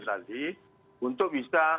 tadi untuk bisa